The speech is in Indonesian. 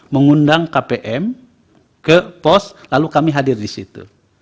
mengundang kpm ke pos lalu kami hadir di situ